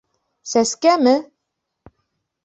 — Сәскәме?